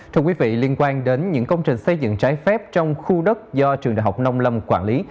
thưa quý vị liên quan đến những công trình xây dựng trái phép trong khu đất do trường đại học nông lâm quản lý